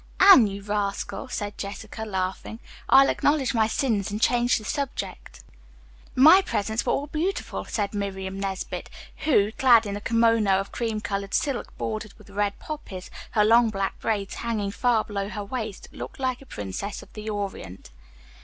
"Anne, you rascal," said Jessica laughing. "I'll acknowledge my sins and change the subject." "My presents were all beautiful!" said Miriam Nesbit, who, clad in a kimono of cream colored silk bordered with red poppies, her long black braids hanging far below her waist, looked like a princess of the Orient.